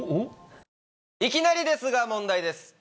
いきなりですが問題です。